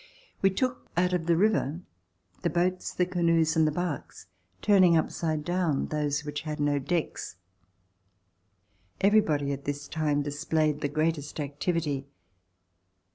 We took out of the river the boats, the canoes and the barks, turning upside down those which had no decks. Everybody at this time displayed the greatest activity.